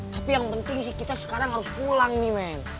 tapi yang penting sih kita sekarang harus pulang nih man